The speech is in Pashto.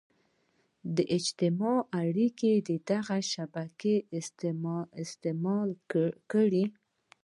د اجتماعي اړيکو دغه شبکه استعمال کړي.